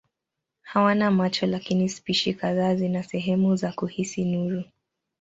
Hawana macho lakini spishi kadhaa zina sehemu za kuhisi nuru.